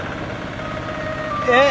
えっ？